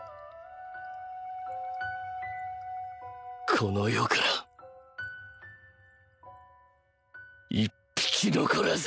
この世から一匹残らず